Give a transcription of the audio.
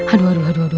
aduh aduh aduh aduh